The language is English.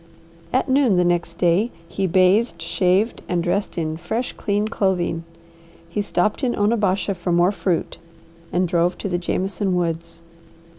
At noon the next day he bathed, shaved, and dressed in fresh, clean clothing. He stopped in Onabasha for more fruit, and drove to the Jameson woods.